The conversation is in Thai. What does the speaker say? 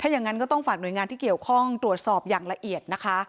อย่างนั้นก็ต้องฝากหน่วยงานที่เกี่ยวข้องตรวจสอบอย่างละเอียดนะคะ